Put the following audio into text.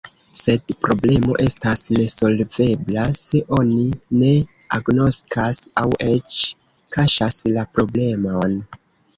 Sed problemo estas nesolvebla, se oni ne agnoskas aŭ eĉ kaŝas la problemon.